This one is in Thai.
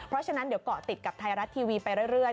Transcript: เพราะฉะนั้นเดี๋ยวเกาะติดกับไทยรัฐทีวีไปเรื่อย